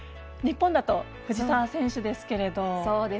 日本だと藤澤選手ですけれど。